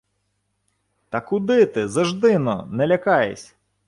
— Та куди ти! Зажди-но, не лякайсь!